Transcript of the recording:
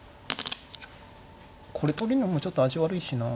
これ取るのもちょっと味悪いしな。